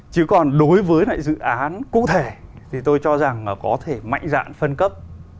chứ còn đối với lại dự án cụ thể thì tôi cho rằng là có thể mạnh dạn phân cấp